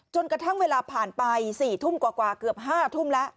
กระทั่งเวลาผ่านไป๔ทุ่มกว่าเกือบ๕ทุ่มแล้ว